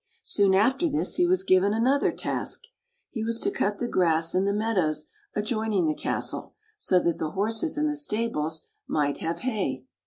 Soon after this he was given another task. He was to cut the grass in the meadows adjoining the castle, so that the horses in the stables might have hay.